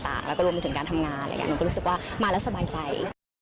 แล้วก็รวมจากการทำงานบางอย่างก็รู้สึกว่ามาแล้วสบายใจ